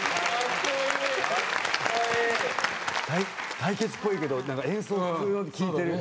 対決っぽいけど演奏風聴いてる。